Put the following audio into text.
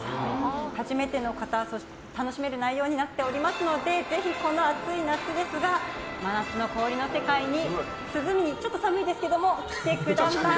初めての方も楽しめる内容になっておりますので、ぜひ真夏の氷の世界にぜひ涼みにちょっと寒いですけど来てください。